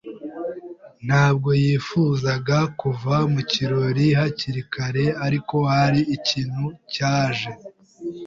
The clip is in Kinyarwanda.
ntabwo yifuzaga kuva mu kirori hakiri kare, ariko hari ikintu cyaje.